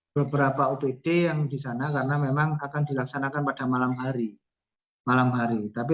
beberapa opd yang di sana karena memang akan dilaksanakan pada malam hari malam hari tapi